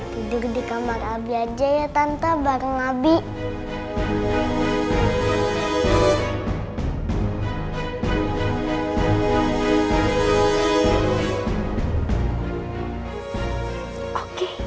tidur di kamar abie aja ya tante bareng abie